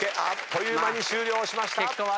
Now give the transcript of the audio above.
あっという間に終了しました。